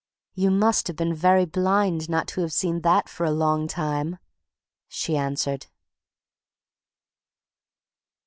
"You must have been very blind not to have seen that for a long time!" she answered.